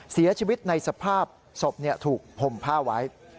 เสียชีวิตในสภาพศพถูกห่มผ้าไว้